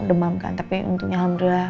demam kan tapi untuk alhamdulillah